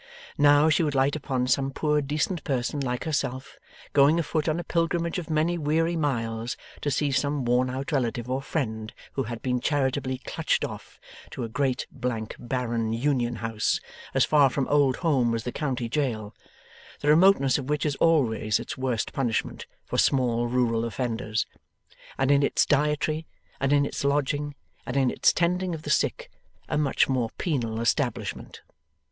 Now, she would light upon some poor decent person, like herself, going afoot on a pilgrimage of many weary miles to see some worn out relative or friend who had been charitably clutched off to a great blank barren Union House, as far from old home as the County Jail (the remoteness of which is always its worst punishment for small rural offenders), and in its dietary, and in its lodging, and in its tending of the sick, a much more penal establishment.